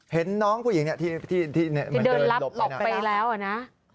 เห็นน้องผู้หญิงที่เหมือนเดินหลบไปแล้วอะนะ